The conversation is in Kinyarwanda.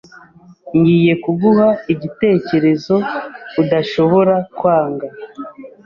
Ngiye kuguha igitekerezo udashobora kwanga.